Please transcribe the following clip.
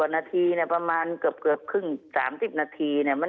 ๓๐นาทีน่ะมันนี่หรือเปล่าเขาไม่หายใจเร็ว